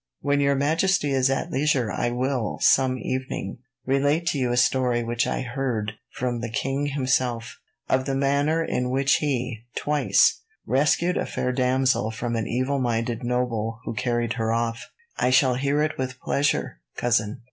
When Your Majesty is at leisure I will, some evening, relate to you a story which I heard from the king himself, of the manner in which he, twice, rescued a fair damsel from an evil minded noble who carried her off." "I shall hear it with pleasure, cousin.